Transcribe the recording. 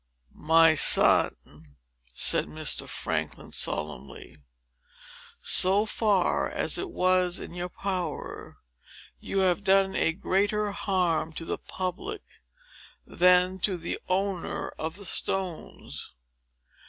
"My son," said Mr. Franklin, solemnly, "so far as it was in your power, you have done a greater harm to the public, than to the owner of the stones."